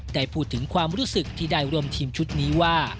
ได้พูดถึงความรู้สึกที่ได้รวมทีมชุดนี้ว่า